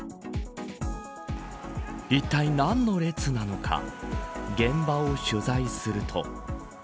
いったい何の列なのか現場を取材すると。